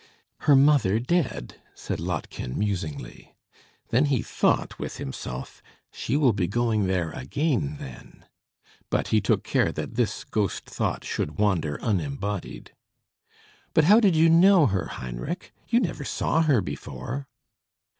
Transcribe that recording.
"Her mother dead!" said Lottchen, musingly. Then he thought with himself "She will be going there again, then!" But he took care that this ghost thought should wander unembodied. "But how did you know her, Heinrich? You never saw her before."